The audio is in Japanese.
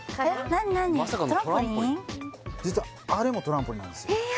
実はあれもトランポリンなんですえー